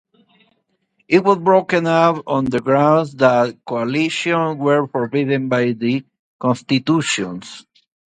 It was broken up on the grounds that coalitions were forbidden by the constitution.